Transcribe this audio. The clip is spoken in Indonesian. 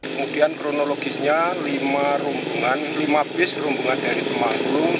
kemudian kronologisnya lima rumbungan lima bis rumbungan dari lima rumbung